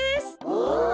お！